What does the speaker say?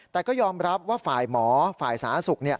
แต่ก็ยอมรับว่าฝ่ายหมอฝ่ายสาธารณสุข